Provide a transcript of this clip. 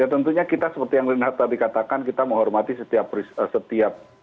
ya tentunya kita seperti yang renhat tadi katakan kita menghormati setiap